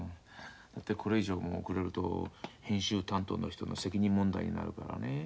だってこれ以上遅れると編集担当の人の責任問題になるからね。